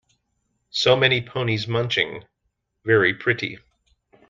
So many ponies munching; very pretty!